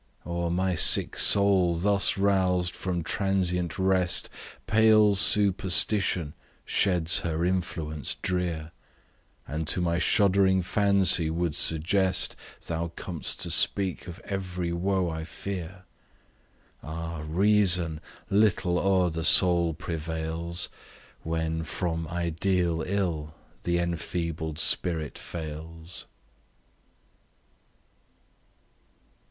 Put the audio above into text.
O'er my sick soul thus rous'd from transient rest, Pale Superstition sheds her influence drear, And to my shuddering fancy would suggest Thou com'st to speak of ev'ry woe I fear, Ah! Reason little o'er the soul prevails, When, from ideal ill, the enfeebled spirit fails!